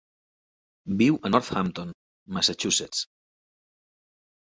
Viu a Northampton (Massachusetts).